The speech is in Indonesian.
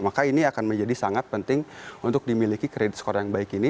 maka ini akan menjadi sangat penting untuk dimiliki kredit score yang baik ini